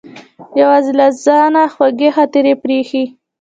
یوازې له ځانه خوږې خاطرې پرې ایښې.